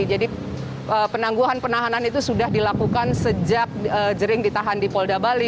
jadi penangguhan penahanan itu sudah dilakukan sejak jering ditahan di polda bali